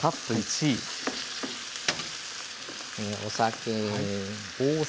お酒。